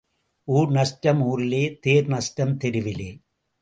ஊர் நஷ்டம் ஊரிலே தேர் நஷ்டம் தெருவிலே.